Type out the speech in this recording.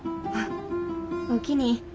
あっおおきに。